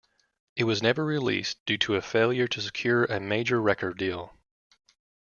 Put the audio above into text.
It was never released due to a failure to secure a major record deal.